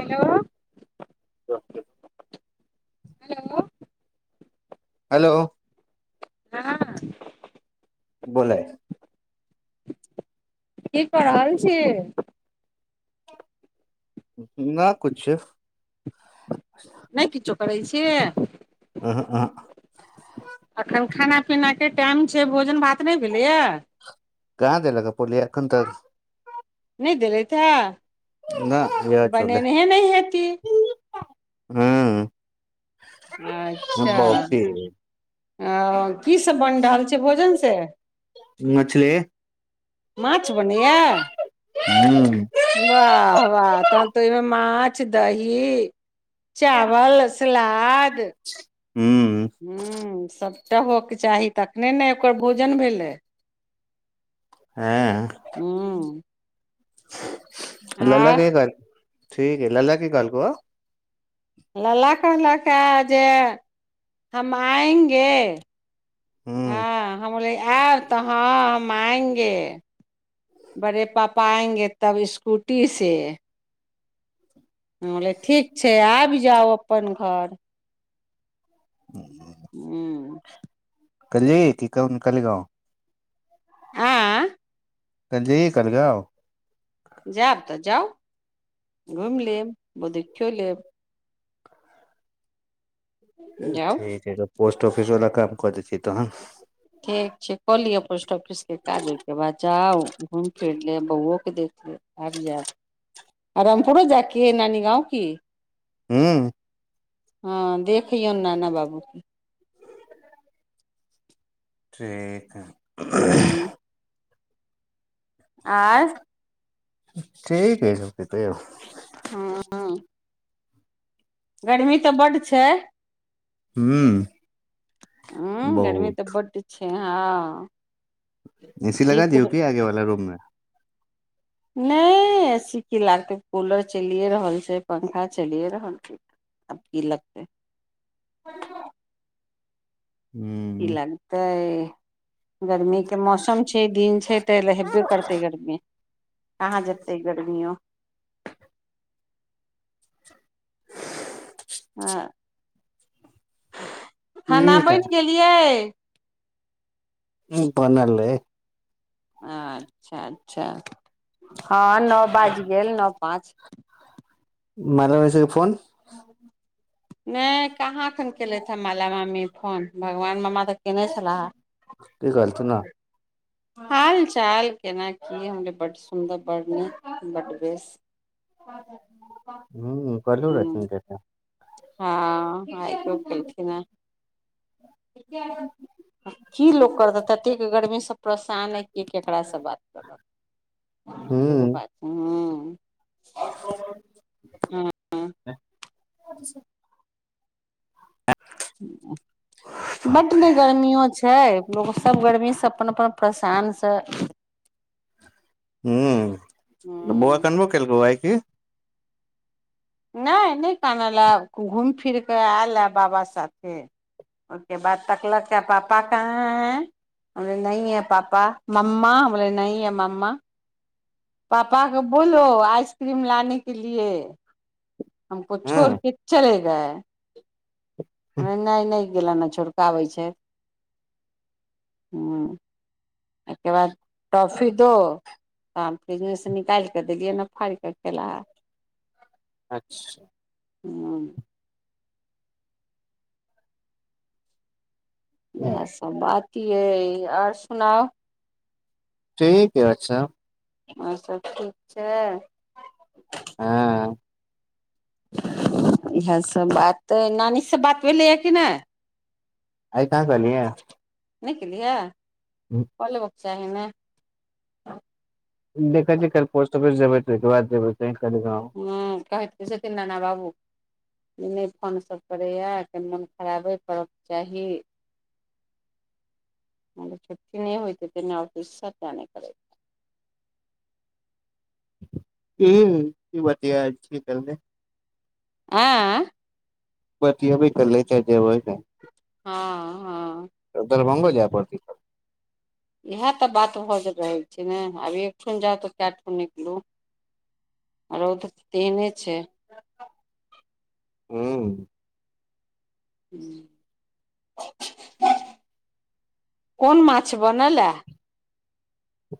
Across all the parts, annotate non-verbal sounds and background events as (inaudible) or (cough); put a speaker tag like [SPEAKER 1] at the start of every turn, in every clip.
[SPEAKER 1] Hello
[SPEAKER 2] तह के
[SPEAKER 1] hello
[SPEAKER 2] hello
[SPEAKER 1] हँ
[SPEAKER 2] बोलै
[SPEAKER 1] की कऽ रहल छी
[SPEAKER 2] न कुछ।
[SPEAKER 1] नई किछो करै छियै।
[SPEAKER 2] आह अह।
[SPEAKER 1] एखन खाना पीना के टाइम छै भोजन भात नहि भेलैए।
[SPEAKER 2] कहाँ देलग पोलिैखनतर
[SPEAKER 1] नहि देलै
[SPEAKER 2] न
[SPEAKER 1] त। बनेने ह नहि हे की
[SPEAKER 2] ह्म्म
[SPEAKER 1] अच्छा। अ की सब बनि रहल छै। भोजन से
[SPEAKER 2] मछली।
[SPEAKER 1] माछ बनैय,
[SPEAKER 2] ह
[SPEAKER 1] वाह-वाह त ईमे माछ छ दही चावल, सलाद ह्म्म सब त होके चाही तखने ने ओकर भोजन भेलै। ह्म्म्म
[SPEAKER 2] (unintelligible) लल के ग ठीक ह लल केी गल कअ
[SPEAKER 1] लला कहल का जे हम आयंगे
[SPEAKER 2] ह
[SPEAKER 1] हँ हम बोलिय आओ तऽ ह हम आयेंगे। बड़े पापा आएंगे तब स्कूटी से। हम बोले ठीक छै आबि जाउ अपन घर।
[SPEAKER 2] ह्म
[SPEAKER 1] ह्म्म्म
[SPEAKER 2] कल जी कि का उनका लगाऊ।
[SPEAKER 1] हाँ।
[SPEAKER 2] कजी करलगाओ
[SPEAKER 1] जाब तऽ जाउ। घुमि लेब बहु दी चलेब जाउ
[SPEAKER 2] ठीक ह त पो त ऑफिस वाला काम कऽ दै छियै तहन।
[SPEAKER 1] ठीक छै कलियै पोस्ट ऑफिस के काज ओहिके बाद ज जाउ घुम फिर लेब बबुओ के दे आबि जायब, रामपुरो जाके नानी गाँव की
[SPEAKER 2] ह
[SPEAKER 1] हँ देखियौ नाना बाबू के।
[SPEAKER 2] ठीक ह।
[SPEAKER 1] ह्म्म्म आर
[SPEAKER 2] ठीक है इसब। सेतौह
[SPEAKER 1] हूँ गर्मी तऽ बड्ड छै।
[SPEAKER 2] ह
[SPEAKER 1] ह गरमी तऽ
[SPEAKER 2] बहुत
[SPEAKER 1] बड छै। हे हँ।
[SPEAKER 2] एसी लगा दीौ की आगे वाला रूम मे।
[SPEAKER 1] नए एसी की लागतै कूलर चलिए रहल छै, पंखा चलिए रहल छै, अब की लगते। (unintelligible) की
[SPEAKER 2] ह
[SPEAKER 1] लगताै गरमी के मौसम छै दिन छै तऽ लगबे करतै गर्मी, कहाँ जेतै गर्मियओ।
[SPEAKER 2] (unintelligible)
[SPEAKER 1] हँ। खाना
[SPEAKER 2] ठीक है
[SPEAKER 1] बन गेलियै।
[SPEAKER 2] ह्म्म बनल है।
[SPEAKER 1] अच्छा। छा हँ नओ बजि गेल नओ पाँच।
[SPEAKER 2] मल मसे फोन
[SPEAKER 1] नहि कहाँखन केलथि हे माला माम्मी फोन, भगवान मामा तऽ कयने छलाहे।
[SPEAKER 2] ती करतो ना
[SPEAKER 1] हाल चाल। ए तना कि हमरे बड सुन्दर, बड नीक, बड बेस।
[SPEAKER 2] ह्म्म कहलु
[SPEAKER 1] हूँ
[SPEAKER 2] रहथिन के त।
[SPEAKER 1] हँ आो कलथीन न। की लोक करत त थिन गर्मी सँ परेशान ह कि केकरा स बात करत सेहो
[SPEAKER 2] हम्म
[SPEAKER 1] बात ह।
[SPEAKER 2] (unintelligible) बाप रे।
[SPEAKER 1] बड़ी गर्मियओ छै लोक सभ गर्मी सँ अपन अपन परेशान सँ,
[SPEAKER 2] हम्म
[SPEAKER 1] ह्म
[SPEAKER 2] के
[SPEAKER 1] नहि नहि कानल हए घूमि फिरि कऽ आयल हए बाबा साथे ओहि के बाद तकलक पापा कहाँ है, हम बोले नहि हए पापा, मम्मा हम बोले नहि हे मम्मा। पापा के बोलो आइसक्रीम लाने के लिए। हमको छोड़
[SPEAKER 2] हँ
[SPEAKER 1] के चले हे नई नई इहे ला न छिड़कावे छै, ओके बाद टॉफी दो। बिजनेस निकालि कऽ देलियै ने फड़ कऽ केला
[SPEAKER 2] अच्छा
[SPEAKER 1] ह्म्म इएह सब बात की येय ओर सुनाओ
[SPEAKER 2] ठीक है ओर सब।
[SPEAKER 1] ओर सभ ठीक छै।
[SPEAKER 2] हँ।
[SPEAKER 1] इएहसभ बात, नानी सँ बात भेलैए कि नाह।
[SPEAKER 2] आइत ह कहलिय।
[SPEAKER 1] नहि केलियह। कहले ब जाहि मे
[SPEAKER 2] देखैिय पोस्ट ऑफिस जेबै तहिके बाद जेबै त।
[SPEAKER 1] ह कहै से त नाना बाबू नहि फोन सभ करैए, क मन खराब है पड़ब चाही। छट्टी नहि होइत त ऑफिस जाने करैत हे।
[SPEAKER 2] ह ई बात दी छी करबे
[SPEAKER 1] आँ
[SPEAKER 2] बतियबई कले छै जेबई ने।
[SPEAKER 1] हँ हँ
[SPEAKER 2] दरभंगो जाय परति का।
[SPEAKER 1] इएह तऽ बात भऽ रहल छै न, आ एक ठन जाउ तऽ चार ठन निकलू आ रौद तीने छै।
[SPEAKER 2] ह्म्म
[SPEAKER 1] ह्म, कोन माछ बनला।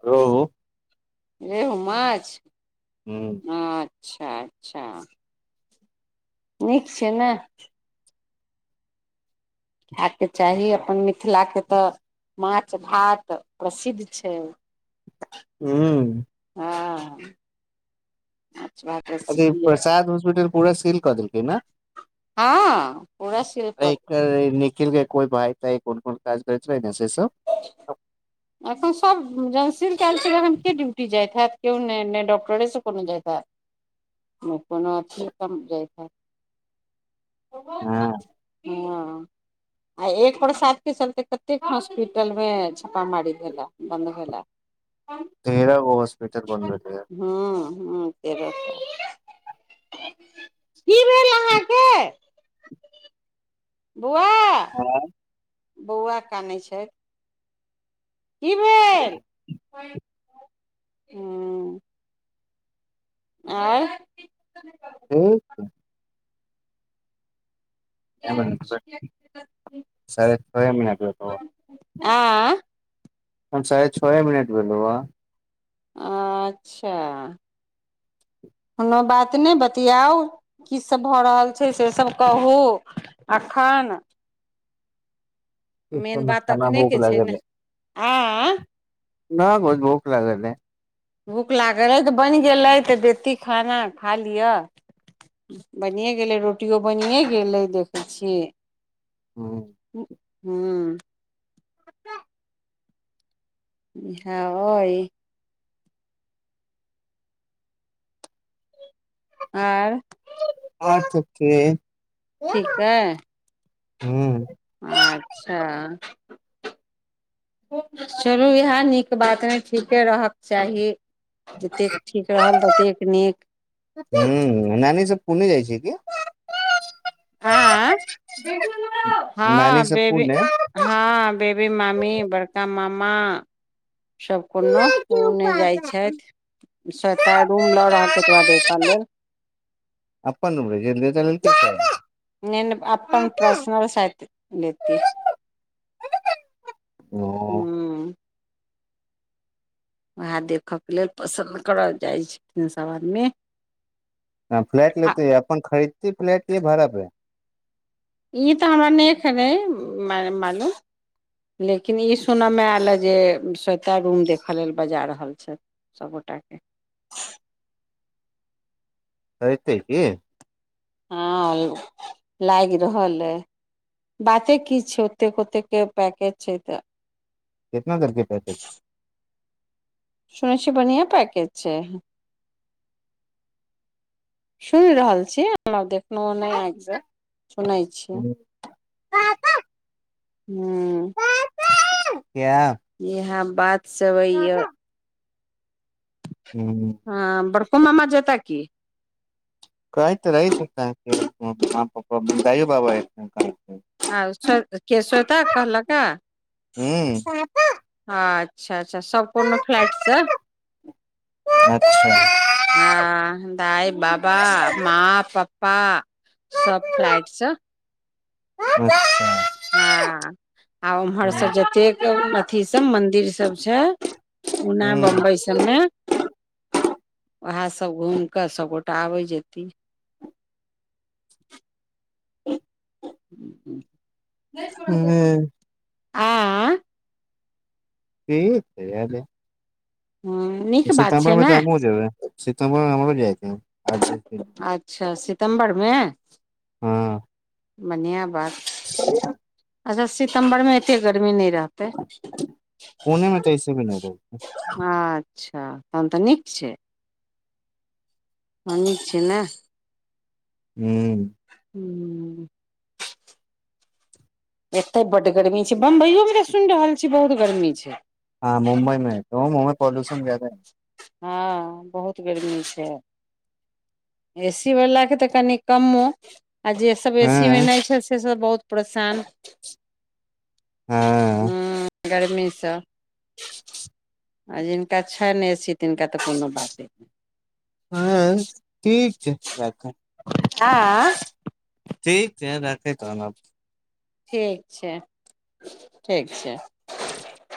[SPEAKER 2] ग्रो
[SPEAKER 1] ए हो माछ।
[SPEAKER 2] हम्म
[SPEAKER 1] अच्छा अच्छा। नीक छै न। खायके चाही अपन मिथिला के तऽ माछ भात प्रसिद्ध छै।
[SPEAKER 2] ह्म्म।
[SPEAKER 1] हँ। भात
[SPEAKER 2] अच्छा
[SPEAKER 1] प्रसिद्ध
[SPEAKER 2] ई
[SPEAKER 1] य
[SPEAKER 2] प्रसाद होॉस्पिटल पूरा सील कऽ देलकै न
[SPEAKER 1] हँ पूरा शिल्प
[SPEAKER 2] अके कोई भाई ताई कोन कोन काज करैत रहे ने से सब
[SPEAKER 1] एखन सभ जखन सील कयल छै तखन के ड्यूटी जाइत हैत। क्यो नए नहि डॉकटर सँ कोनो जाइता कोनो अथी कजा।
[SPEAKER 2] हँ।
[SPEAKER 1] हँ आ एक बरसात के चलते कतेक हॉस्पिटल मे छापामारी भेला बन्द भेला।
[SPEAKER 2] तेरह गो हॉस्पिटल बंद होई हय।
[SPEAKER 1] ह तेरह गो, की बे
[SPEAKER 2] (unintelligible)
[SPEAKER 1] बुआ
[SPEAKER 2] हँ।
[SPEAKER 1] बउवा कानी छै। की भेल। ह्म्म आउर
[SPEAKER 2] ठीक छै। के बनत ठ, सारे तवा में
[SPEAKER 1] आँ
[SPEAKER 2] ह्म साढ़े छौए मिनट भेलोआ।
[SPEAKER 1] अच्छा। कोनो बात नहि बतियाउ, की सभ भऽ रहल छै से सभ कहू एखन।
[SPEAKER 2] की ख न खाना भूख लागलै।
[SPEAKER 1] आँ
[SPEAKER 2] न गो भूख लागलए।
[SPEAKER 1] भूख लागल रहै तऽ बनि गेलै तऽ देती खाना खा लिअ बनिए गेलै रोटिओ बनिए गेलै देखै छियै।
[SPEAKER 2] ह्म
[SPEAKER 1] ह्म इहा होई। आर
[SPEAKER 2] आठ के
[SPEAKER 1] ठीक है
[SPEAKER 2] हूँ
[SPEAKER 1] अच्छा। चलू इएह नीक बात रहे ठीके रहक चाही। जतेक ठीक रहल ततेक नीक।
[SPEAKER 2] पुने जाइ छै के
[SPEAKER 1] हाँ,
[SPEAKER 2] नानी
[SPEAKER 1] हँ
[SPEAKER 2] सब
[SPEAKER 1] बेबी
[SPEAKER 2] पुणे
[SPEAKER 1] हँ बेबी मामी, बड़का मामा मा सभ कोनो ओ नई जाइ छथि, सत रूम लऽ रहल छथितबा देखऽ लेल।
[SPEAKER 2] अपन रूम रहै छै लेता लेलकै
[SPEAKER 1] नेन अपन पर्सनल सायद लेती।
[SPEAKER 2] ओ
[SPEAKER 1] हम्म उएह देखयके लेल पसन्द करय जाइ छथिन सभ आदमी।
[SPEAKER 2] ह फ्लैट ले
[SPEAKER 1] आ
[SPEAKER 2] तई अपन खरी फ्लैट ले भाड़ा पे
[SPEAKER 1] ई तऽ हमरा नहि रहै मालूम लेकिन ई सुनयमे आयल हए जे स्वेता रूम देखय लेल बजा रहल छथि सभ गोटा के।
[SPEAKER 2] आयतै के
[SPEAKER 1] हँ लागि रहल अइ, बाते की छै ओतेक ओतेकके पैकेज छै तऽ।
[SPEAKER 2] कितना देलकै पैकेज
[SPEAKER 1] सुनेै छी बढ़िआँ पैकेज छै, सुन रहल छी देखल नहिज् सुनै छियै, ह्म्म
[SPEAKER 2] क्या
[SPEAKER 1] ये हम बात सेवै्या
[SPEAKER 2] ह
[SPEAKER 1] ह बड़को मामा जोता की।
[SPEAKER 2] कहैत तऽ रहि हम अहाँके माँ पप्पा दाई बाबा एथिन ने
[SPEAKER 1] आर के श्वेता कहलक हन
[SPEAKER 2] ह
[SPEAKER 1] अच्छा अच्छा अच्छा सम्पूर्ण फ्लैटसे
[SPEAKER 2] अच्छा
[SPEAKER 1] ह दाई बाबा माँ पप्पा सब फ्लाइटसं
[SPEAKER 2] अच्छा
[SPEAKER 1] हँ आ उम्हरसँ जतेक अथी सब मंदिर सब छै पुना बम्बई सबमे उएह सभ घूमि कऽ सभगोटा आबय जेती (unintelligible) नहि
[SPEAKER 2] ह
[SPEAKER 1] (unintelligible) आ
[SPEAKER 2] से तऽ एल (unintelligible)
[SPEAKER 1] नीक बात
[SPEAKER 2] सितम्बर
[SPEAKER 1] छै
[SPEAKER 2] मे
[SPEAKER 1] ने
[SPEAKER 2] तऽ हमहूँ जेबै ने सितम्बर मे हमरो जाइ के हइ
[SPEAKER 1] अच्छा सितम्बरमे बनहियाँ बात
[SPEAKER 2] की
[SPEAKER 1] अच्छा सितम्बर मे एते गर्मी नहि रहतै
[SPEAKER 2] पुणे मे तऽ ऐसे भी नहि रही
[SPEAKER 1] अच्छा अच्छा तहन तऽ नीक छै ह निक छै ने
[SPEAKER 2] हू
[SPEAKER 1] हू एते बड्ड गर्मी छै बम्बईयोमे तऽ सुनि रहल छियै बहुत गर्मी छै
[SPEAKER 2] हँ मुम्बई मे तहु मे मुम्बई मे पोल्यूशन ज्यादा ह
[SPEAKER 1] हँ बहुत गरमी छै ए सी वलाके तऽ कनि कमो आ जे सब
[SPEAKER 2] है
[SPEAKER 1] एसी मे
[SPEAKER 2] हँ
[SPEAKER 1] नहि छै से सब बहुत परेशान हँ गरमीसँ
[SPEAKER 2] (inaudible)
[SPEAKER 1] आ जिनका छनि ए सी तिनका तऽ कोनो बाते नहि
[SPEAKER 2] हँ ठीक छै राखैं
[SPEAKER 1] आ
[SPEAKER 2] ठीक छै रखे तहन आब
[SPEAKER 1] ठीक छै ठीक छै
[SPEAKER 2] (unintelligible)